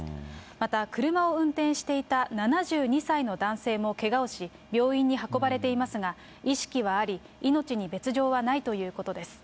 また、車を運転していた７２歳の男性もけがをし、病院に運ばれていますが、意識はあり、命に別状はないということです。